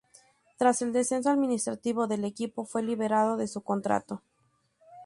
Tras el descenso administrativo del equipo, fue liberado de su contrato.